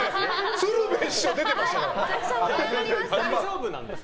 鶴瓶師匠出てましたから！